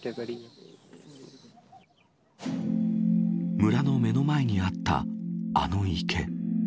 村の目の前にあったあの池。